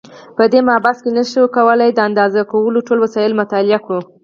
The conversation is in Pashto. په دې مبحث کې نشو کولای د اندازه کولو ټول وسایل مطالعه کړو.